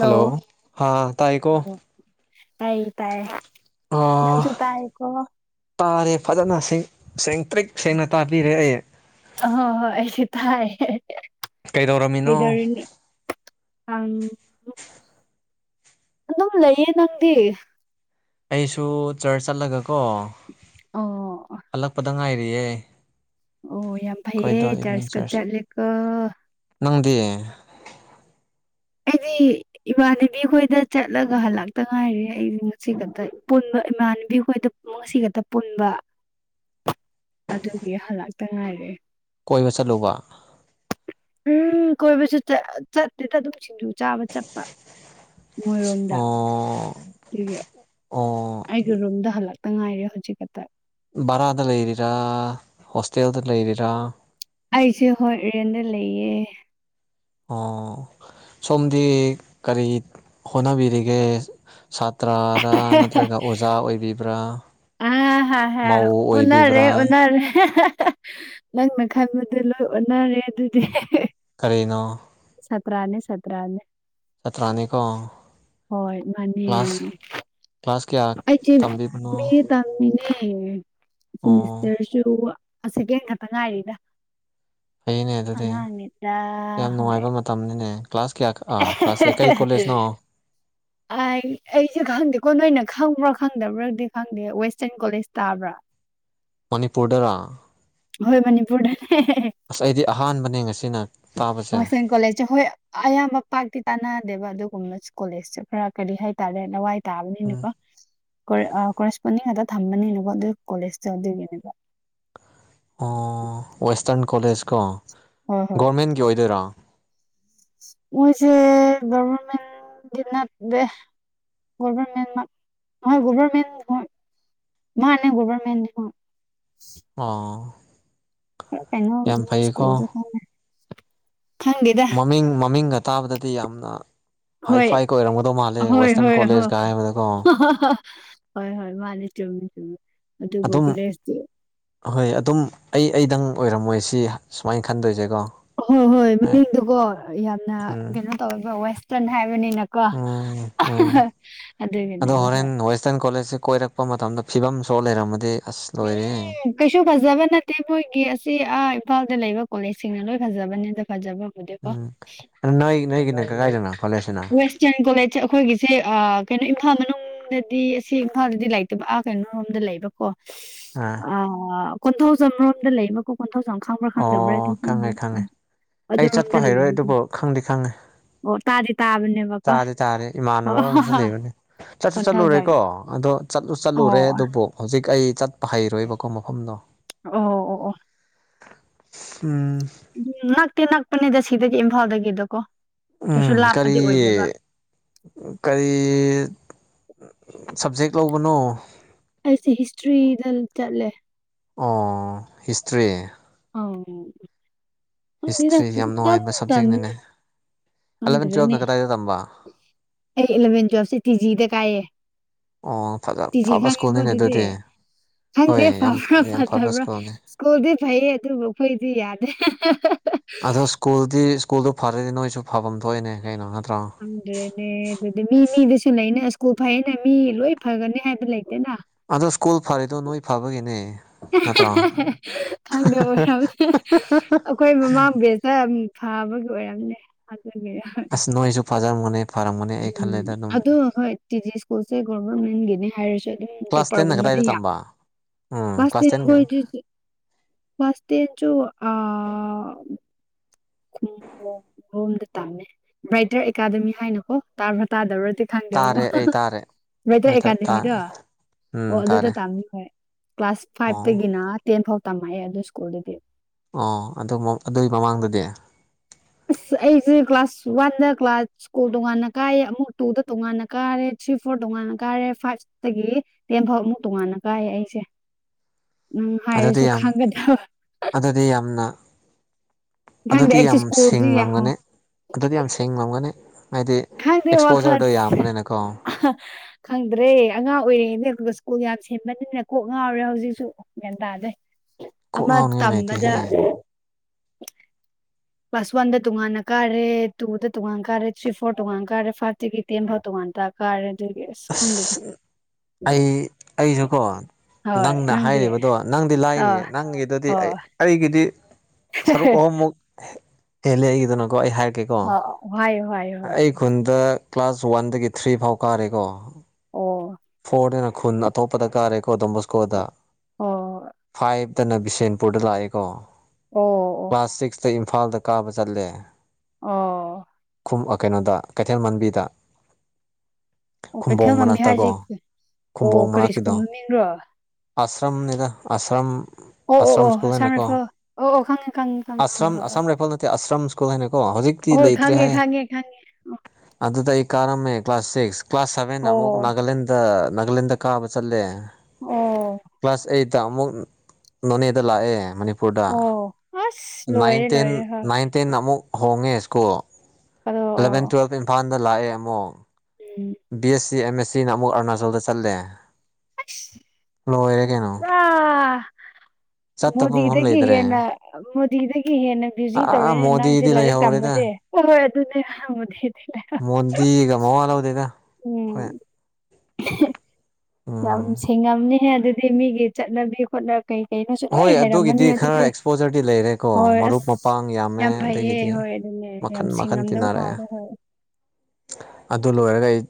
hello ꯍꯥꯥ ꯇꯥꯏꯀꯣ ꯇꯥꯏ ꯇꯥꯏꯌꯦ ꯑꯣ ꯅꯪꯁꯨ ꯇꯥꯏꯀꯣ ꯇꯔꯦ ꯐꯖꯅꯦꯡ ꯁꯦꯡ ꯇ꯭ꯔꯤꯛ ꯁꯦꯡꯅ ꯇꯥꯕꯤꯔꯦ ꯑꯩ ꯑ ꯍ‌ꯣꯏ ꯍ‌ꯣꯏ ꯑꯩꯁꯨ ꯊꯥꯏ ꯀꯩꯗꯧꯔꯝꯃꯤꯅꯣ ꯑꯪ ꯑꯗꯨꯝ ꯂꯩꯌꯦ ꯅꯪꯗꯤ ꯑꯩꯁꯨ ꯆꯔꯁ ꯆꯠꯂꯒ ꯀꯣ ꯑꯣ ꯍꯜꯂꯛꯄꯗ ꯉꯥꯏ ꯔꯤꯌ‌ꯦ ꯑꯣ ꯌꯥꯝ ꯐꯩꯌꯦ ꯑꯩꯈꯣꯏꯗꯣ ꯏꯚꯅꯤꯡ ꯆꯔꯆꯀ ꯆꯔ ꯆꯠꯂꯦꯀꯣ ꯅꯪꯗꯤ ꯑꯩꯗꯤ ꯏꯃꯥꯟꯅꯕꯤ ꯈꯣꯏꯗ ꯆꯠꯂꯒ ꯍꯜꯂꯛꯇ ꯉꯥꯏꯔꯦ ꯑꯩꯁꯨ ꯉꯁꯤ ꯈꯛꯇ ꯄꯨꯟꯕ ꯏꯃꯥꯟꯅꯕꯤ ꯑꯩꯈꯣꯏꯗ ꯉꯁꯤ ꯈꯛꯇ ꯄꯨꯟꯕ ꯑꯗꯨꯒꯤ ꯍꯜꯂꯛꯇ ꯉꯥꯏꯔꯤ ꯀꯣꯏꯕ ꯆꯠꯂꯨꯕ ꯎꯝ ꯀꯣꯏꯕꯁꯨ ꯆꯠ ꯆꯠ ꯆꯠꯇ‌ꯦ ꯁꯤꯡꯖꯨ ꯆꯥꯕ ꯆꯠꯄ ꯃꯣꯏꯔꯣꯝꯗ ꯑꯣ ꯑꯗꯨꯒꯤ ꯑꯣ ꯑꯩꯒꯤ ꯔꯨꯝꯗ ꯍꯜꯂꯛꯇ ꯉꯥꯏꯔꯦ ꯍꯧꯖꯤꯛꯈꯛꯇ ꯚꯔꯥꯗ ꯂꯩꯔꯤꯔꯥ ꯍꯣꯁꯇꯦꯜꯗ ꯂꯩꯔꯤꯔꯥ ꯑꯩꯁꯦ ꯍꯣꯏ ꯔꯦꯟꯗ ꯂꯩꯌꯦ ꯑꯣ ꯁꯣꯝꯗꯤ ꯀꯔꯤ ꯍꯣꯠꯅꯕꯤꯔꯤꯒꯦ ꯁꯥꯠ ꯇ꯭ꯔꯥ ꯔ ꯅꯠꯇ꯭ꯔꯒ ꯑꯣꯖꯥ ꯑꯣꯏꯕꯤꯕ꯭ꯔꯥ ꯑ ꯍ ꯍ ꯃꯧ ꯑꯣꯟꯅꯔꯦ ꯑꯣꯏꯕꯤꯕ꯭ꯔꯥ ꯑꯣꯟꯅꯔ‌ꯦ ꯅꯪꯅ ꯈꯟꯕꯗꯨ ꯂꯣꯏ ꯑꯣꯟꯅꯔꯦ ꯑꯗꯨꯗꯤ ꯀꯔꯤꯅꯣ ꯁꯇꯔꯅꯦ ꯁꯇꯔꯅꯦ ꯆꯇꯔꯥꯅꯤꯀꯣ ꯍꯣꯏ ꯃꯥꯅꯤ ꯀ꯭ꯂꯥꯁ ꯀꯌꯥ ꯑꯩꯆꯦ ꯃꯤ ꯇꯝꯕꯤꯕꯅꯣ ꯇꯝꯃꯤꯅꯦ ꯑꯣ ꯁꯤꯃꯤꯁꯇꯔꯁꯨ ꯑ ꯁꯤꯀ‌ꯦꯟ ꯈꯛꯇ ꯉꯥꯏꯔꯤꯗ ꯐꯩꯅꯦ ꯑꯗꯨꯗꯤ ꯑꯉꯥꯡꯅꯤꯗ ꯌꯥꯝ ꯍꯣꯏ ꯅꯨꯡꯉꯥꯏꯕ ꯃꯇꯝꯅꯤꯅꯦ ꯀ꯭ꯂꯥꯁ ꯀꯌꯥ ꯑꯥ ꯀ꯭ꯂꯥꯁꯁꯦ ꯀꯔꯤ ꯀꯣꯂꯦꯖꯅꯣ ꯑꯩ ꯑꯩꯁꯦ ꯈꯪꯗꯦꯀꯣ ꯅꯣꯏꯅ ꯈꯪꯕ꯭ꯔ ꯈꯪꯗꯕ꯭ꯔꯗꯤ ꯈꯪꯗꯦ ꯋꯦꯁꯇꯔꯟ ꯀꯣꯂꯦꯖ ꯇꯥꯕ꯭ꯔꯥ ꯃꯅꯤꯄꯨꯔꯗꯔ ꯍꯣꯏ ꯃꯅꯤꯄꯨꯔꯗꯅꯦ ꯑꯁ ꯑꯩꯗꯤ ꯑꯍꯥꯟꯕꯅꯦ ꯉꯁꯤꯅ ꯇꯥꯕꯁꯦ ꯋꯥꯁ ꯀꯣꯂꯦꯖꯁꯦ ꯍꯣꯏ ꯑꯌꯥꯝꯕ ꯄꯥꯛꯇꯤ ꯇꯥꯟꯅꯗꯦꯕ ꯑꯗꯨ ꯀꯣꯂꯦꯖ ꯈꯔ ꯀꯔꯤ ꯍꯥꯏꯇꯥꯔꯦ ꯂꯋꯥꯏ ꯎꯝ ꯇꯥꯕꯅꯤꯅꯀꯣ ꯀ‌ꯣ ꯑ ꯃꯅꯤꯡ ꯈꯛꯇ ꯊꯝꯕꯅꯤꯅꯦꯀꯣ ꯑꯗꯨ ꯀꯣꯂꯦꯖꯇ ꯑꯗꯨꯒꯤꯅꯦꯕ ꯑꯣ ꯋꯦꯁꯇꯔꯟ ꯀꯣꯂꯦꯖ ꯀꯣ ꯍꯣꯏ ꯍꯣꯏ ꯒꯣꯔꯃꯦꯟꯒꯤ ꯑꯣꯏꯗꯣꯏꯔꯥ ꯃꯣꯏꯁꯦ ꯒ‌ꯣꯕꯔꯃꯦꯟꯗꯤ ꯅꯠꯇ‌ꯦ ꯒ‌ꯣꯕꯔꯃꯦꯟ ꯃꯛ ꯍꯣꯏ ꯒ‌ꯣꯚꯔꯃꯦꯟ ꯍꯣꯏ ꯃꯥꯟꯅ‌ꯦ ꯒꯣꯕꯔꯃ‌ꯦꯟꯅꯤ ꯑꯣ ꯀꯩꯅꯣ ꯌꯥꯝ ꯐꯩꯌꯦꯀꯣ ꯁꯀꯨꯜ [unintelligible] ꯃꯃꯤꯡ ꯃꯃꯤꯡꯒ ꯇꯥꯕꯗꯗꯤ ꯌꯥꯝꯅ ꯍꯥꯏ ꯍꯣꯏ ꯐꯥꯏꯒ ꯑꯣꯏꯔꯝꯒꯗꯧ ꯃꯥꯜꯂꯦ ꯍꯣꯏ ꯋꯦꯁꯇꯔꯟ ꯍꯣꯏ ꯍ ꯀꯣꯂꯦꯖꯀ ꯍꯥꯏꯕꯗꯀꯣ ꯍꯣꯏ ꯍꯣꯏ ꯃꯥꯅꯤ ꯆꯨꯝꯃꯤ ꯆꯨꯝꯃꯤ ꯑꯗꯨꯕꯨ ꯑꯗꯨꯝ ꯗ꯭ꯔ‌ꯦꯁꯇꯤ ꯍꯣꯏ ꯑꯗꯨꯝ ꯑꯩ ꯑꯩꯗꯪ ꯑꯣꯏꯔꯝꯃꯣꯏ ꯁꯤ ꯁꯨꯃꯥꯏꯅ ꯈꯟꯗꯣꯏꯁꯦꯀꯣ ꯑ ꯍꯣꯏ ꯍꯣꯏ ꯃꯃꯤꯡꯗꯨꯀꯣ ꯌꯥꯝꯅ ꯎꯝ ꯀꯩꯅꯣ ꯇꯧꯋꯦꯕ ꯋꯦꯁꯇꯔꯟ ꯍꯥꯏ ꯍꯥꯏꯕꯅꯤꯅꯀꯣ ꯎꯝ ꯎꯝ ꯑꯗꯨꯒꯤꯅꯦ ꯑꯗꯣ ꯍꯣꯏ ꯍꯣꯔꯦꯟ ꯋꯦꯁꯇꯔꯟ ꯀꯣꯂꯦꯖꯁꯦ ꯀꯣꯏꯔꯛꯄ ꯃꯇꯝꯗ ꯐꯤꯕꯝ ꯁꯣꯛ ꯂꯩꯔꯝꯃꯗꯤ ꯑꯁ ꯂꯣꯏꯔꯦꯍꯦ ꯎꯝ ꯀꯩꯁꯨ ꯐꯖꯕ ꯅꯠꯇꯦ ꯃꯣꯏꯒꯤ ꯑꯁꯤ ꯑꯥ ꯏꯝꯐꯥꯜꯗ ꯂꯩꯕ ꯀꯣꯂꯦꯖꯁꯤꯡꯅ ꯂꯣꯏ ꯐꯖꯕꯅꯦꯗ ꯐꯖꯕꯕꯨꯗꯤ ꯀꯣ ꯎꯝ ꯅꯣꯏ ꯅꯣꯏꯒꯤꯅ ꯀꯗꯥꯏꯗꯅꯣ ꯀꯣꯂꯦꯖꯁꯤꯅ [unintelligible] ꯋꯦꯁꯇꯔꯟ ꯀꯣꯂꯦꯖꯁꯦ ꯑꯩꯈꯣꯏꯒꯤꯁꯦ ꯀꯩꯅꯣ ꯏꯝꯐꯥꯜ ꯃꯅꯨꯡꯗꯗꯤ ꯑꯁꯤ ꯏꯝꯐꯥꯜꯗꯗꯤ ꯂꯩꯇꯕ ꯑꯥ ꯀꯩꯅꯣꯔꯣꯝꯗ ꯂꯩꯕꯀꯣ ꯑꯥ ꯑ ꯀꯣꯟꯊꯧꯖꯝ ꯔꯣꯝꯗ ꯂꯩꯕꯀꯣ ꯀꯣꯟꯊꯧꯖꯝ ꯈꯪꯕ꯭ꯔꯥ ꯑꯣ ꯈꯪꯗꯕ꯭ꯔꯥ ꯈꯪꯉꯦ ꯈꯪꯉꯦ [unintelligible] ꯑꯩ ꯆꯠꯄ ꯍꯩꯔꯣꯏ ꯑꯗꯨꯕꯨ ꯈꯪꯗꯤ ꯈꯪꯉꯦ ꯑꯣ ꯇꯥꯗꯤ ꯇꯥꯕꯅꯦꯕꯀꯣ ꯇꯥꯗꯤ ꯇꯥꯔꯦ ꯏꯃꯥꯟꯅꯕ ꯑꯔꯁꯨ ꯂꯩꯕꯅꯦ ꯆꯠꯁꯨ ꯀꯣꯟꯊꯧꯖꯝ ꯆꯠꯂꯨꯔꯦꯀꯣ ꯑꯗꯨ ꯑꯗꯣ ꯆꯠꯂꯨ ꯑꯣ ꯆꯠꯂꯨꯔꯦ ꯑꯗꯨꯕꯨ ꯍꯧꯖꯤꯛ ꯑꯩ ꯆꯠꯄ ꯍꯩꯔꯣꯏꯕꯀꯣ ꯃꯐꯝꯗꯣ ꯑꯣ ꯑꯣ ꯑꯣ ꯎꯝ ꯎꯝ ꯅꯥꯛꯇꯤ ꯅꯥꯛꯄꯅꯦꯗ ꯁꯤꯗꯒꯤ ꯏꯝꯐꯥꯜꯗꯒꯤꯗꯀꯣ ꯀꯩꯁꯨ ꯎꯝ ꯂꯥꯞꯄꯗꯤ ꯀꯔꯤ ꯑꯣꯏꯗꯦꯕ ꯀꯔꯤ ꯁꯞꯖꯦꯛ ꯂꯧꯕꯅꯣ ꯑꯩꯁꯦ ꯍꯤꯁꯇ꯭ꯔꯤꯗ ꯆꯠꯂꯦ ꯑꯣ ꯍꯤꯁꯇ꯭ꯔꯤ ꯈꯪꯗꯦꯗ ꯍꯤꯁꯇ꯭ꯔꯤ ꯌꯥꯝ ꯄꯨꯡꯇꯝ ꯅꯨꯡꯉꯥꯏꯕ ꯇꯝꯕꯅꯦ ꯁꯕꯖꯦꯛꯅꯤꯅꯦ ꯑꯦꯂꯚꯦꯟ ꯇꯨꯌꯦꯜꯞꯅ ꯈꯪꯗ꯭ꯔꯦꯅꯦ ꯀꯗꯥꯏꯗ ꯇꯝꯕ ꯑꯩ ꯏꯂꯕꯦꯟ ꯇ꯭ꯋꯦꯜꯚꯁꯦ ꯇꯤ ꯖꯤꯗ ꯀꯥꯏꯌꯦ ꯑꯣ ꯐꯖ ꯇꯤꯖꯤ ꯐꯕ ꯈꯪꯉꯦꯀꯣ ꯁ꯭ꯀꯨꯜꯅꯤꯅꯦ ꯑꯗꯨꯗꯤ ꯍꯣꯏ ꯈꯪꯗꯦ ꯌꯥꯝ ꯐꯕ꯭ꯔꯥ ꯌꯥꯝ ꯐꯕ ꯐꯠꯇꯕ꯭ꯔꯥ ꯁ꯭ꯀꯨꯜꯅꯤ ꯁ꯭ꯀꯨꯜꯗꯤ ꯐꯩꯌꯦ ꯑꯗꯨꯕꯨ ꯑꯩꯈꯣꯏꯗꯤ ꯌꯥꯗꯦ ꯑꯗꯣ ꯁ꯭ꯀꯨꯜꯗꯤ ꯁ꯭ꯀꯨꯜꯗꯣ ꯐꯔꯗꯤ ꯅꯣꯏꯁꯨ ꯐꯚꯝ ꯊꯣꯛꯏꯅꯦ ꯀꯩꯅꯣ ꯅꯠꯇ ꯈꯪꯗ꯭ꯔꯦꯅꯦ ꯑꯗꯨꯗꯤ ꯃꯤ ꯃꯤꯗꯁꯨ ꯂꯩꯅ ꯁ꯭ꯀꯨꯜ ꯐꯌꯦꯅ ꯃꯤ ꯂꯣꯏ ꯐꯒꯅꯤ ꯍꯥꯏꯕ ꯂꯩ ꯑꯗꯣ ꯁ꯭ꯀꯨꯜ ꯐꯔꯤꯗꯣ ꯅꯣꯏ ꯐꯕꯒꯤꯅꯦ ꯅꯠꯇ꯭ꯔꯣ ꯈꯪꯗꯦ ꯑꯣꯏꯔꯝꯅꯦ ꯑꯩꯈꯣꯏ ꯃꯃꯥꯡ ꯕꯦꯁꯇ ꯐꯥꯕꯒꯤ ꯑꯣꯏꯔꯝꯂꯦ ꯑꯗꯨꯒꯤꯔ ꯑꯁ ꯅꯣꯏꯁꯨ ꯐꯖꯔꯝꯒꯅꯤ ꯐꯔꯝꯒꯅꯤ ꯑꯩ ꯎꯝ ꯈꯜꯂꯦꯗ ꯑꯗꯨꯝ ꯑꯗꯣ ꯍꯣꯏ ꯇꯤ ꯖꯤ ꯁ꯭ꯀꯨꯜꯁꯦ ꯒꯣꯕꯔꯃꯦꯟꯒꯤꯅꯦ ꯍꯥꯏꯔꯁꯨ ꯑꯝ ꯀ꯭ꯂꯥꯁ ꯇꯦꯟꯅ ꯇꯣꯄꯔꯒꯨꯝꯕꯗꯤ ꯀꯗꯥꯏꯗ ꯌꯥꯝ ꯇꯝꯕ ꯀ꯭ꯂꯥꯁ ꯇꯦꯟ [unintelligible] ꯀ꯭ꯂꯥꯁ ꯇꯦꯟꯁꯨ ꯑꯥ.... ꯈꯨꯝꯕꯣꯡ ꯔꯣꯝꯗ ꯇꯥꯝꯃꯦ ꯕ꯭ꯔꯥꯏꯇꯔ ꯑꯦꯀꯥꯗꯃꯤ ꯍꯥꯏꯅꯀꯣ ꯇꯥꯕ꯭ꯔꯥ ꯇꯥꯗꯕ꯭ꯔꯥ ꯗꯤ ꯈꯪꯗꯦꯕꯣ ꯇꯥꯔꯦ ꯑꯩ ꯇꯥꯔꯦ ꯕ꯭ꯔꯥꯢꯇꯔ ꯃꯩꯇꯩ ꯇꯥꯔꯦ ꯑꯦꯀꯥꯗꯃꯤꯗꯣ ꯑꯣ ꯎꯝ ꯑꯗꯨꯗ ꯇꯥꯔꯦ ꯇꯝꯃꯤ ꯍꯣꯏ ꯀ꯭ꯂꯥꯁ ꯑꯣ ꯐꯥꯏꯚꯇꯒꯤꯅ ꯇꯦꯟ ꯐꯥꯎ ꯇꯝꯃꯛꯑꯦ ꯑꯗꯨ ꯁ꯭ꯀꯨꯜꯗꯨꯗꯤ ꯑꯣ ꯑꯗꯨ ꯃꯨꯛ ꯑꯗꯨꯢ ꯃꯃꯥꯡꯗꯗꯤ ꯢꯁ ꯑꯩꯖꯦ ꯀ꯭ꯂꯥꯁ ꯋꯥꯟꯗ ꯀ꯭ꯂꯥꯁ ꯁ꯭ꯀꯣꯜ ꯇꯣꯉꯥꯟꯅ ꯀꯥꯏꯌꯦ ꯑꯃꯨꯛ ꯇꯨꯗ ꯇꯣꯉꯥꯟꯅ ꯀꯥꯔꯦ ꯊ꯭ꯔꯤ ꯐꯣꯔ ꯇꯉ ꯋꯥꯟ ꯀꯥꯔꯦ ꯐꯥꯏꯚꯇꯒꯤ ꯇꯦꯟ ꯐꯥꯎꯃꯨꯛ ꯇꯣꯉꯥꯟꯅ ꯀꯥꯏꯌꯦ ꯑꯩꯁꯦ ꯎꯝ ꯑꯗꯨꯗꯤ ꯍꯥꯏꯔꯁꯨ ꯌꯥꯝ ꯈꯪꯒꯗꯕ ꯑꯗꯨꯗꯤ ꯌꯥꯝꯅ ꯈꯪꯗꯦ ꯑꯗꯨꯗꯤ ꯑꯩꯁꯦ ꯌꯥꯝ ꯁ꯭ꯀꯨꯜꯗꯤ ꯌꯥꯝ ꯁꯤꯡꯂꯝꯒꯅꯤ ꯑꯗꯨꯗꯤ ꯌꯥꯝ ꯁꯤꯡꯂꯝꯒꯅꯤ ꯍꯥꯏꯗꯤ ꯈꯪꯗꯦ ꯋꯥꯈꯜ ꯑꯦꯛꯁꯄꯣꯖꯔꯗꯣ ꯌꯥꯝꯕꯅꯤꯅꯀꯣ ꯈꯪꯗ꯭ꯔꯦ ꯑꯉꯥꯡ ꯑꯣꯏꯔꯤꯉꯅꯦ ꯁ ꯀꯣꯛ ꯌꯥꯝ ꯁꯦꯝꯕꯅꯤꯅ ꯀꯣꯛ ꯉꯥꯎꯔꯦ ꯍꯧꯖꯤꯛꯁꯨ ꯒ꯭ꯌꯥꯟ ꯇꯥꯗꯦ ꯀꯣꯛ ꯑꯃ ꯉꯥꯎꯅꯤꯡꯉꯥꯏ ꯇꯝꯕꯗ ꯂꯩꯇꯦꯍꯦ ꯀ꯭ꯂꯥꯁ ꯋꯥꯟꯗ ꯇꯣꯉꯥꯟꯅ ꯀꯥꯔꯦ ꯇꯨꯗ ꯇꯣꯉꯥꯟꯅ ꯀꯥꯔꯦ ꯊ꯭ꯔꯤ ꯐꯣꯔ ꯇꯣꯉꯥꯟꯅ ꯀꯥꯔꯦ ꯐꯥꯏꯚꯇꯒꯤ ꯇꯦꯟ ꯐꯥꯎ ꯇꯣꯉꯥꯟ ꯇ ꯀꯥꯔꯦ ꯑꯁ ꯑꯗꯨꯒꯤ ꯈꯪꯗꯦꯗ ꯑꯁ ꯑꯩ ꯑꯩꯖꯨꯀꯣ ꯍꯣꯏ ꯅꯪꯅ ꯅꯪꯗꯤ ꯍꯥꯏꯔꯤꯕꯗꯣ ꯅꯪꯗꯤ ꯑꯥ ꯂꯥꯏꯔꯤꯌꯦ ꯅꯪꯒꯤꯗꯨꯗꯤ ꯑꯣ ꯑꯩ ꯑꯩꯒꯤꯗꯤ ꯁꯔꯨꯛ ꯑꯍꯨꯝ ꯃꯨꯛ ꯍꯦꯜꯂꯦ ꯑꯩꯒꯤꯗꯅꯀꯣ ꯑꯩ ꯍꯥꯏ ꯒꯦꯀꯣ ꯑꯣ ꯍꯥꯏꯌꯣ ꯍꯥꯏꯌꯣ ꯍꯣꯏ ꯑꯩ ꯈꯨꯟꯗ ꯀ꯭ꯂꯥꯁ ꯋꯥꯟꯗꯒꯤ ꯊ꯭ꯔꯤ ꯐꯥꯎ ꯀꯥꯔꯦꯀꯣ ꯑꯣ ꯐꯣꯔꯗꯅ ꯈꯨꯟ ꯑꯇꯣꯞꯄꯗ ꯀꯥꯔꯦꯀꯣ ꯗꯣꯟꯕꯣꯁꯀꯣꯗ ꯑꯣ ꯑꯣ ꯐꯥꯏꯚ ꯇꯅ ꯕꯤꯁꯦꯟꯄꯨꯔꯗ ꯂꯥꯛꯑꯦꯀꯣ ꯑꯣ ꯀ꯭ꯂꯥꯁ ꯑꯣ ꯁꯤꯛꯁꯇ ꯏꯝꯐꯥꯜꯗ ꯀꯥꯕ ꯆꯠꯂꯦ ꯑꯣ ꯐ ꯀꯩꯅꯣꯗ ꯀꯩꯊꯦꯜ ꯃꯥꯟꯕꯤꯗ ꯑꯣ ꯈꯨꯝꯕꯣꯡ ꯀꯩꯊꯦꯜ ꯃꯥꯟꯕꯤ ꯃꯅꯥꯛꯇꯀꯣ ꯍꯥꯏꯁꯦ ꯑꯣ ꯈꯨꯝꯕꯣꯡ ꯀꯔꯤ ꯁ꯭ꯀꯨꯜ ꯃꯅꯥꯛꯀꯤꯗꯣ ꯃꯃꯤꯡꯔꯣ ꯑꯁ꯭ꯔꯝꯅꯤꯗ ꯑꯁ꯭ꯔꯝ ꯑꯣ ꯑꯣ ꯑꯁ꯭ꯔꯝ ꯑꯣ ꯁ꯭ꯀꯨꯜ ꯑꯁꯥꯝ ꯍꯥꯏꯅꯀꯣ ꯔꯥꯏꯐꯜ ꯑꯣ ꯑꯣ ꯈꯪꯉꯦ ꯈꯪꯉꯦ ꯈꯪꯉꯦ ꯍꯣꯏ ꯑꯁ꯭ꯔꯝ ꯑꯁꯥꯝ ꯔꯥꯏꯐꯜ ꯅꯠꯇꯦ ꯑꯁ꯭ꯔꯝ ꯁ꯭ꯀꯨꯜ ꯍꯥꯏꯅꯀꯣ ꯑꯣ ꯍꯧꯖꯤꯛꯇꯤ ꯍꯣꯏ ꯍꯣꯏ ꯍꯣꯏ ꯂꯩꯇ꯭ꯔꯦ ꯈꯪꯉꯦ ꯍꯥꯏ ꯈꯪꯉꯦ ꯈꯪꯉꯦ ꯑꯗꯨꯗ ꯀꯥꯔꯝꯃꯦ ꯀ꯭ꯂꯥꯁ ꯁꯤꯛꯁ ꯀ꯭ꯂꯥꯁ ꯁꯚꯦꯟ ꯑꯃꯨꯛ ꯑꯣ ꯅꯥꯒꯥꯂꯦꯟꯗ ꯅꯥꯒꯥꯂꯦꯟꯗ ꯀꯥꯕ ꯆꯠꯂꯦ ꯑꯣ ꯀ꯭ꯂꯥꯁ ꯑꯩꯠꯇ ꯑꯃꯨꯛ ꯅꯣꯅꯦꯗ ꯂꯥꯛꯑꯦ ꯨꯗ ꯑꯣ ꯑꯁ ꯂꯣꯏꯔꯦ ꯅꯥꯏꯟꯇꯦꯟ ꯂꯣꯏꯔꯦ ꯍꯣꯏ ꯅꯥꯏꯟꯇꯦꯟ ꯑꯃꯨꯛ ꯍꯣꯡꯉꯦ ꯁ꯭ꯀꯨꯜ ꯑꯗꯣ ꯑꯦꯂꯚꯦꯟ ꯑꯣ ꯇꯨꯋꯦꯜꯞ ꯏꯝꯐꯥꯜꯗ ꯂꯥꯛꯑꯦ ꯑꯃꯨꯛ ꯎꯝ ꯕꯤ ꯑꯦꯁ ꯁꯤ ꯑꯦꯝ ꯑꯦꯁ ꯁꯤꯅ ꯑꯃꯨꯛ ꯑꯔꯨꯅꯥꯆꯜꯗ ꯆꯠꯂꯦ ꯂꯣꯏꯔꯦ ꯀꯩꯅꯣ ꯑ ꯆꯠꯇꯕ ꯃꯐꯝ ꯃꯣꯗꯤꯗꯒꯤ ꯂꯩꯇ꯭ꯔꯦ ꯍꯦꯟꯅ ꯃꯣꯗꯤꯗꯒꯤ ꯍꯦꯟꯅ ꯃ꯭ꯌꯨꯖꯤ ꯑꯥ ꯇꯧꯔꯦꯅꯦ ꯅꯥꯡꯁꯦ ꯃꯣꯗꯤꯗꯤ ꯂꯥꯏꯔꯤꯛ ꯂꯩꯍꯧꯔꯦꯗ ꯇꯥꯝꯕꯗ ꯍ ꯍꯣꯏ ꯑꯗꯨ ꯊ ꯃꯣꯟꯗꯤꯒ ꯃꯋꯥ ꯂꯧꯗꯦꯗ ꯍꯣꯏ ꯎꯝ ꯌꯥꯝ ꯁꯦꯡꯉꯝꯅꯤꯍꯦ ꯑꯗꯨꯗꯤ ꯃꯤꯒꯤ ꯆꯠꯅꯕꯤ ꯍꯣꯠꯅ ꯀꯩ ꯀꯩꯅꯁꯨ ꯂꯣꯏ ꯍꯣꯏ ꯍꯩꯔꯝꯃꯅꯤ ꯑꯗꯨꯒꯤꯗꯤ ꯈꯔ ꯑꯗꯨꯗꯤ ꯑꯦꯛꯁꯄꯣꯖꯔꯗꯤ ꯂꯩꯔꯦꯀꯣ ꯍꯣꯏ ꯑꯁ ꯃꯔꯨꯞ ꯃꯄꯥꯡ ꯌꯥꯝꯃꯦ ꯌꯥꯝ ꯐꯩꯌꯦ ꯍꯣꯏ ꯑꯗꯒꯤꯗꯤ ꯍꯣꯏ ꯑꯗꯨꯅꯦ ꯌꯥꯝ ꯃꯈꯟ ꯃꯈꯟ ꯁꯤꯡꯉꯝꯗꯧ ꯇꯤꯟꯅꯔꯛꯑꯦ ꯋꯥꯗ ꯍꯣꯏ ꯑꯗꯨ ꯂꯣꯏꯔꯒ ꯑꯩ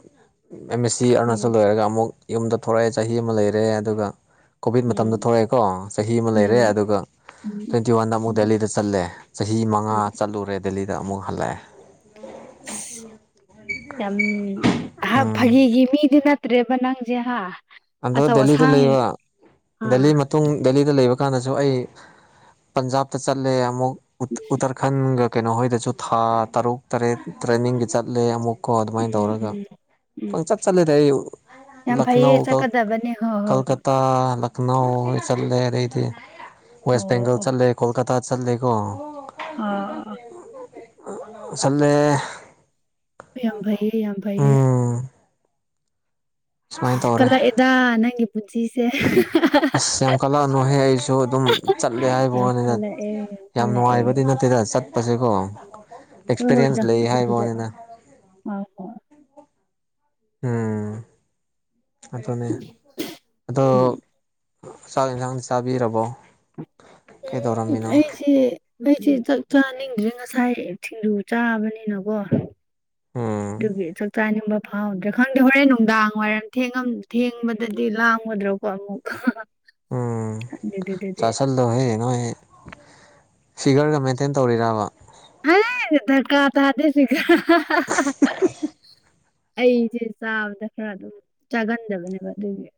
ꯑꯦꯝ ꯑꯦꯁ ꯁꯤ ꯑꯔꯨꯅꯥꯆꯜ ꯎꯝ ꯂꯣꯏꯔꯒ ꯑꯃꯨꯛ ꯌꯨꯝꯗ ꯊꯣꯛꯂꯛꯑꯦ ꯆꯍꯤ ꯑꯃ ꯂꯩꯔꯦ ꯑꯗꯨꯒ ꯀꯣꯚꯤꯠ ꯃꯇꯝꯗ ꯎꯝ ꯊꯣꯛꯂꯛꯑꯦꯀꯣ ꯤ ꯑꯃ ꯂꯩꯔꯦ ꯎꯝ ꯑꯗꯨꯒ ꯎꯝ ꯇ꯭ꯋꯦꯟꯇꯤ ꯋꯥꯟꯗ ꯑꯃꯨꯛ ꯗꯦꯂꯤꯗ ꯆꯠꯂꯦ ꯆꯍꯤ ꯃꯉꯥ ꯎꯝ ꯆꯠꯂꯨꯔꯦ ꯗꯦꯂꯤꯗ ꯑꯃꯨꯛ ꯍꯜꯂꯛꯑꯦ ꯌꯥꯝ ꯎꯝ ꯐꯒꯤꯒꯤ ꯃꯤꯗꯤꯅ ꯠꯇ꯭ꯔꯦꯕꯅꯥꯡꯖꯦꯍꯥ ꯑꯗ꯭ꯔ ꯗꯦꯜꯂꯤꯗ ꯂꯩꯕ ꯗꯦꯜꯂꯤ ꯑꯥ ꯃꯇꯨꯡ ꯗꯦꯜꯂꯤꯗ ꯂꯩꯕ ꯀꯥꯟꯗꯁꯨ ꯑꯩ ꯄꯟꯖꯥꯕꯇ ꯆꯠꯂꯦ ꯑꯃꯨꯛ ꯎꯇꯔꯈꯟꯒ ꯀꯩꯅꯣꯍꯣꯏꯗꯁꯨ ꯊꯥ ꯇꯔꯨꯛ ꯇꯔꯦꯠ ꯇ꯭ꯔꯦꯅꯤꯡꯒꯤ ꯆꯠꯂꯦ ꯑꯃꯨꯛ ꯀꯣ ꯑꯗꯨꯃꯥꯏꯅ ꯎꯝ ꯇꯧꯔꯒ ꯎꯝ ꯎꯝ ꯄꯪ ꯆꯠ ꯆꯠꯂꯦꯗ ꯑꯩ ꯌꯥꯝ ꯐꯩꯌꯦ ꯂꯈꯅꯧꯒ ꯆꯠꯀꯗꯕꯅꯦ ꯍꯣꯏ ꯍꯣꯏ ꯀꯜꯀꯇꯥ ꯂꯈꯅꯧ ꯆꯠꯂꯦ ꯑꯗꯩꯗꯤ ꯋꯦꯁ ꯑꯣ ꯕꯦꯡꯒꯜ ꯑꯣ ꯆꯠꯂꯦ ꯀꯣꯜꯀꯇꯥ ꯆꯠꯂꯦꯀꯣ ꯑꯥ ꯁꯜꯦ ꯌꯥꯝ ꯐꯩꯌꯦ ꯌꯥꯝ ꯐꯩꯌꯦꯦ ꯁꯨꯃꯥꯏꯅ ꯇꯧꯔꯦ ꯀꯂꯛꯑꯗꯥ ꯅꯪꯒꯤ ꯄꯨꯟꯁꯤꯁꯦ ꯑꯁ ꯌꯥꯝ ꯀꯜꯂꯛꯑꯅꯨꯍꯦ ꯑꯩꯁꯨ ꯑꯗꯨꯝ ꯆꯠꯂꯦ ꯍꯥꯏꯕ ꯌꯥꯝ ꯋꯥꯅꯤꯅ ꯀꯜꯂꯛꯑꯦ ꯌꯥꯝ ꯀꯜꯂꯛꯑꯦ ꯅꯨꯡꯉꯥꯏꯕꯗꯤ ꯅꯠꯇꯦꯗ ꯆꯠꯄꯁꯦꯀꯣ ꯑꯦꯛꯁꯄꯤꯦꯔꯤꯌꯦꯟꯁ ꯂꯩ ꯍꯥꯏꯕꯅꯤꯅ ꯑ ꯍꯣ ꯎꯝ ꯑꯗꯣ ꯑꯗꯣ ꯎꯝ ꯆꯥꯛ ꯌꯦꯟꯁꯥꯡ ꯆꯥꯕꯤꯔꯕꯣ ꯎꯝ ꯀꯩꯗꯧꯔꯝꯃꯤꯅꯣ ꯑꯩꯁꯤꯦ ꯑꯩꯁꯦ ꯆꯥꯛ ꯆꯥꯅꯤꯡꯗ꯭ꯔꯦ ꯉꯁꯥꯏ ꯁꯤꯡꯖꯨ ꯆꯥꯕꯅꯤꯅꯀꯣ ꯎꯝ ꯑꯗꯨ ꯆ ꯆꯥꯅꯤꯡꯕ ꯐꯥꯎꯗ꯭ꯔꯦ ꯈꯪꯗꯦ ꯍꯣꯔꯦꯟ ꯅꯨꯡꯗꯥꯡ ꯋꯥꯏꯔꯝ ꯊꯦꯡꯕꯗꯗꯤ ꯂꯥꯡꯉꯨꯗ꯭ꯔꯣꯀꯣ ꯑꯃꯨꯛꯀ ꯎꯝ ꯆꯥꯁꯜꯗꯣ ꯍꯌꯦ ꯅꯣꯏ ꯐꯤꯒꯔꯒ ꯃꯦꯟꯇꯦꯟ ꯇꯧꯔꯤꯔꯕ ꯑ ꯗꯙꯀꯥ ꯇꯗꯦ ꯁꯤꯒ ꯑꯩꯁꯦ ꯆꯥꯕꯗ ꯈꯔ ꯑꯗꯨꯝ ꯆꯥꯒꯟꯗꯕꯅꯦꯕ ꯑꯗꯨꯒꯤ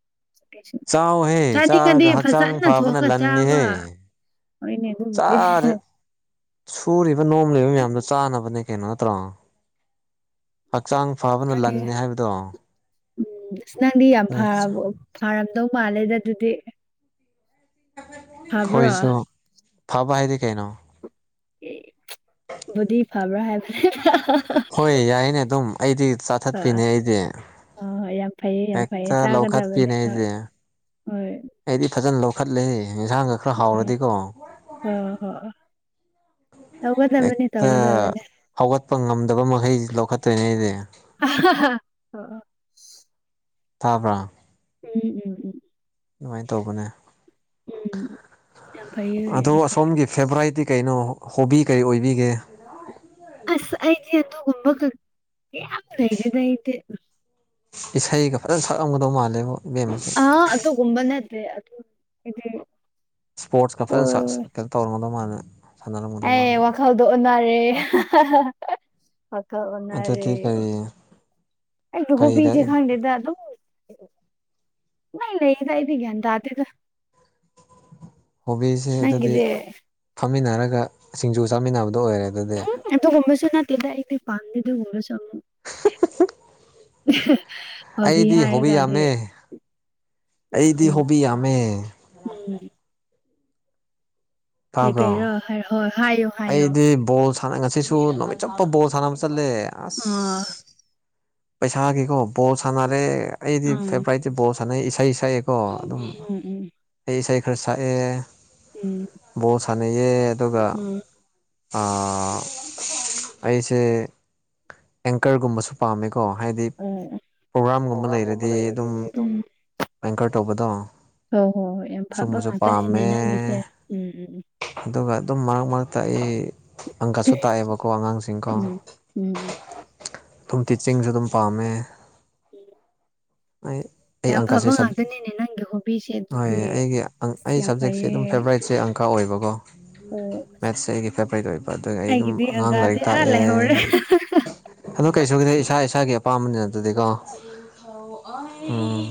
ꯆꯥꯎꯍꯦ ꯆꯥꯅꯤꯡꯉꯗꯤ ꯆꯥꯔꯒ ꯍꯛꯆꯥꯡ ꯐꯖꯅ ꯐꯕꯅ ꯊꯣꯡꯉ ꯆꯥꯕ ꯂꯟꯅꯤꯍꯦ ꯑꯩꯅꯦ ꯑꯗꯨꯗꯤ ꯆꯥꯔꯦ ꯁꯨꯔꯤꯕ ꯅꯣꯝꯂꯤꯕ ꯃꯌꯥꯝꯗꯣ ꯆꯥꯅꯕꯅꯦ ꯀꯩꯅꯣ ꯅꯠꯇ꯭ꯔꯣ ꯍꯛꯆꯥꯡ ꯐꯕꯅ ꯂꯟꯅꯤ ꯍꯥꯏꯕꯗꯣ ꯅꯗꯤ ꯐ ꯍꯣꯏ ꯐꯔ ꯃꯥꯂꯦꯗ ꯑꯗꯨꯗꯤ ꯐꯕ꯭ꯔꯣ ꯑꯩꯈꯣꯏꯁꯨ ꯐꯕ ꯍꯥꯏꯗꯤ ꯀꯩꯅꯣ ꯕꯣꯗꯤ ꯐꯕ꯭ꯔꯥ ꯍꯥꯏꯕ ꯍꯣꯏ ꯌꯥꯏꯅꯦ ꯑꯗꯨꯝ ꯑꯩꯗꯤ ꯆꯥꯊꯠ ꯍꯣꯏ ꯄꯤꯅꯦ ꯑꯩꯗꯤ ꯍꯣꯏ ꯌꯥꯝ ꯐꯩꯌꯦ ꯌꯥꯝ ꯐꯩꯌꯦ ꯍꯤꯛꯇ ꯂꯧꯈꯠ ꯄꯤꯅꯦ ꯆꯥꯒꯗꯕꯅꯦ ꯍꯣꯏ ꯑꯩꯗꯤ ꯍꯣꯏ ꯑꯩꯗꯤ ꯐꯖꯅ ꯂꯧꯈꯠꯂꯦ ꯌꯦꯟꯁꯥꯡꯒ ꯈꯔ ꯍꯣꯏ ꯍꯥꯎꯔꯗꯤꯀꯣ ꯍꯣꯏ ꯍꯣꯏ ꯇꯧꯒꯗꯕꯅꯦ ꯍꯦꯛꯇ ꯇꯧꯒꯗꯕꯅꯦ ꯍꯧꯒꯠꯄ ꯉꯝꯗꯕ ꯃꯈꯩ ꯂꯧꯈꯠꯇꯣꯏꯅꯦ ꯑꯩꯗꯤ ꯑꯍꯥ ꯍꯥ ꯊꯥꯕ꯭ꯔꯥ ꯎꯝ ꯎꯝ ꯎꯝ ꯑꯗꯨꯃꯥꯏꯅ ꯇꯧꯕꯅꯦ ꯎꯝ ꯌꯥꯝ ꯐꯩꯌꯦ ꯑꯗꯣ ꯌꯥꯝ ꯐꯩꯌꯦ ꯑꯁꯣꯝꯒꯤ ꯐꯦꯕ꯭ꯔꯥꯏꯠꯇꯤ ꯀꯩꯅꯣ ꯍꯣꯕꯤ ꯀꯔꯤ ꯑꯣꯏꯕꯤꯒꯦ ꯑꯁ ꯑꯩꯗꯤ ꯑꯗꯨꯒꯨꯝꯕ ꯌꯥꯝ ꯂꯩꯗꯦꯅ ꯑꯩꯗꯤ ꯏꯁꯩꯒ ꯐꯖꯅ ꯁꯛꯂꯝꯒꯗꯧ ꯃꯥꯜꯂꯦꯕꯣ ꯏꯕꯦꯝꯃꯁꯦ ꯑ ꯑ ꯑꯗꯨꯀꯨꯝꯕ ꯅꯠꯇꯦ ꯁꯄꯣꯔꯠꯁ ꯀ ꯐꯖꯅ ꯀꯩꯅꯣ ꯇꯧꯔꯝꯗ ꯃꯥꯥꯟꯅꯦ ꯑꯦ ꯋꯥꯈꯜꯗꯣ ꯑꯣꯟꯅꯔꯦ ꯋꯥꯈꯥꯜ ꯑꯣꯟꯅꯔꯦ ꯑꯗꯨꯗꯤ ꯀꯔꯤ ꯑꯩꯀꯤ ꯀꯔꯤꯗ ꯍꯣꯕꯤꯁꯦ ꯈꯟꯗꯦꯗ ꯑꯗꯨꯝ ꯄꯥꯪꯂꯩ ꯂꯩꯗ ꯑꯩꯗꯤ ꯒꯌ꯭ꯥꯟ ꯇꯥꯗꯦꯗꯥ ꯍꯣꯕꯤꯁꯦ ꯑꯗꯨꯗꯤ ꯐꯝꯃꯤꯟꯅꯔꯒ ꯁꯤꯡꯖꯨ ꯆꯥꯃꯤꯟꯅꯕꯗ ꯑꯗꯨꯒꯨꯝꯕꯁꯨ ꯅꯇꯦꯗꯥ ꯑꯩꯗꯤ ꯄꯥꯝꯗꯦ ꯎ [inaudible] ꯑꯩꯗꯤ ꯍꯣꯕꯤ ꯌꯥꯝꯃꯦ ꯑꯩꯗꯤ ꯎꯝ ꯍꯣꯕꯤ ꯌꯝꯃꯦ ꯎꯝ ꯀꯩ ꯇꯥꯕ꯭ꯔꯣ ꯀꯩꯔꯥ ꯑꯩꯗꯤ ꯕꯣꯜ ꯁꯥꯟꯅ ꯉꯁꯤꯁꯨ ꯅꯣꯃꯤꯠ ꯆꯨꯞꯄ ꯕꯣꯜ ꯁꯥꯟꯅꯕ ꯆꯠꯂꯦ ꯑꯁ ꯑꯥ ꯄꯩꯁꯥꯒꯤꯀꯣ ꯕꯣꯜ ꯁꯥꯟꯅꯔꯦ ꯑꯩꯗꯤ ꯎꯝ ꯐꯦꯚꯣꯔꯥꯏꯠ ꯕꯣꯜ ꯁꯥꯟꯅꯩ ꯏꯁꯩ ꯁꯛꯑꯦꯀꯣ ꯑꯗꯨꯝ ꯎꯝ ꯎꯝ ꯑꯩ ꯏꯁꯩ ꯈꯔ ꯁꯛꯑꯦ ꯎꯝ ꯕꯣꯜ ꯁꯥꯟꯅꯩꯌꯦ ꯑꯗꯨꯒ ꯎꯝ ꯑꯩꯁꯦ ꯑꯦꯡꯀꯔꯒꯨꯝꯕꯁꯨ ꯄꯥꯝꯃꯦꯀꯣ ꯍꯥꯏꯗꯤ ꯎꯝ ꯄ꯭ꯔꯣꯒ꯭ꯔꯥꯝꯒꯨꯝꯕ ꯂꯩꯔꯗꯤ ꯑꯗꯨꯝ ꯑꯦꯡꯀꯔ ꯇꯧꯕꯗꯣ ꯍꯣꯏ ꯍꯣꯏ ꯍꯣꯏ ꯌꯥꯝ ꯐꯕ ꯁꯨꯝꯕꯁꯨ ꯉꯥꯛꯇꯅꯦꯅꯦ ꯄꯥꯝꯃꯦ ꯅꯪꯒꯤꯁꯦ ꯎꯝ ꯎꯝ ꯎꯝ ꯑꯗꯨꯒ ꯑꯗꯨꯝ ꯃꯔꯛ ꯃꯔꯛꯇ ꯑꯩ ꯑꯪꯀꯁꯨ ꯇꯥꯛꯑꯦꯕꯀꯣ ꯑꯉꯥꯡꯁꯤꯡꯀꯣ ꯎꯝ ꯎꯝ ꯎꯝ ꯆꯤꯡꯁꯨ ꯑꯗꯨꯝ ꯄꯥꯝꯃꯦ ꯎꯝ ꯍ [inaudible] ꯑꯩ ꯑꯪꯀꯁꯦ ꯅꯪꯒꯤ ꯍꯣꯕꯤꯁꯦ ꯍꯣꯏ ꯑꯗꯨꯗꯤ ꯑꯩꯒꯤ ꯑꯁ ꯑꯩ ꯌꯥꯝ ꯁꯕꯖꯦꯛꯁꯦ ꯐꯩꯌꯦ ꯑꯗꯨꯝ ꯐꯦꯕꯣꯔꯥꯏꯠꯁꯦ ꯑꯣꯏꯕꯒꯣ ꯑꯣ ꯃꯦꯠꯁꯁꯦ ꯑꯩꯒꯤ ꯐꯦꯚꯔꯥꯏꯠ ꯑꯣꯏꯕ ꯑꯗꯨꯒ ꯑꯩ ꯑꯗꯨꯝ ꯑꯩꯒꯤꯗꯤ ꯑꯉꯥꯡ ꯂꯥꯏꯔꯤꯛ ꯑꯪꯀꯗꯤ ꯑꯥ ꯇꯥꯛꯑꯦ ꯂꯩꯍꯧꯔꯦ ꯑꯗꯨ ꯀꯩꯁꯨꯒꯤꯗ ꯏꯁꯥ ꯏꯁꯥꯒꯤ ꯑꯄꯥꯝꯕꯅꯤꯅ ꯑꯗꯨꯗꯤꯀꯣ ꯎꯝ